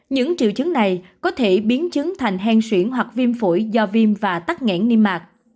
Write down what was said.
những triệu chứng này có thể biến chứng thành hen xuyển hoặc viêm phổi do viêm và tắc nghẽn niêm mạc